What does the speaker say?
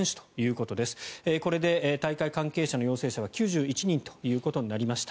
これで大会関係者の陽性者は９１人となりました。